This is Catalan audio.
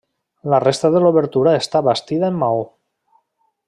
La resta de l'obertura està bastida en maó.